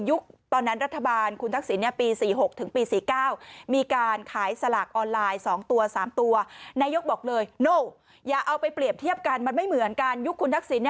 ยุกทรศนอาทรานตร์ศนวัฒนาเชฟ